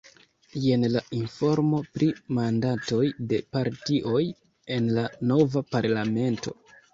Jen la informo pri mandatoj de partioj en la nova parlamento.